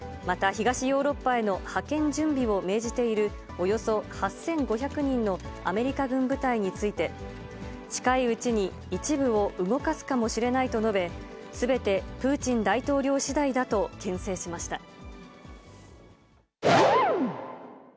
また東ヨーロッパへの派遣準備を命じているおよそ８５００人のアメリカ軍部隊について、近いうちに一部を動かすかもしれないと述べ、すべてプーチン大統領しだいだとけん制しました。